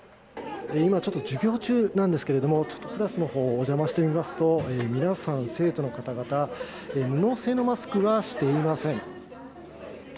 今、ちょっと授業中なんですけれども、クラスのほうにお邪魔してみますと、皆さん、生徒の方々、布製のマスクはしていません。